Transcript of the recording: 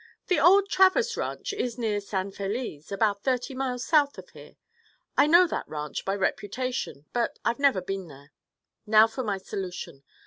"The old Travers Ranch is near San Feliz—about thirty miles south of here. I know that ranch by reputation, but I've never been there. Now for my solution.